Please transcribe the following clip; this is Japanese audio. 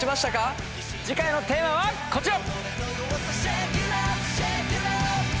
次回のテーマはこちら！